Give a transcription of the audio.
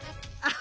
あ！